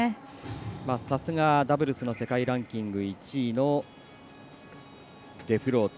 さすがダブルスの世界ランキング１位のデフロート。